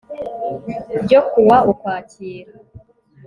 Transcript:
ryo ku wa Ukwakira